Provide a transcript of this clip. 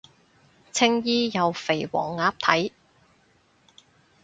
青衣有肥黃鴨睇